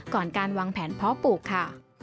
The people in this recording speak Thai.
ก่อนการวางแผนเพาะปลูกค่ะ